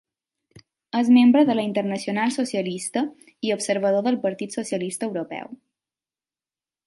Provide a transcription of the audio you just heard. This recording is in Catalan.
És membre de la Internacional Socialista i observador del Partit Socialista Europeu.